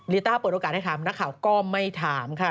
ต้าเปิดโอกาสให้ถามนักข่าวก็ไม่ถามค่ะ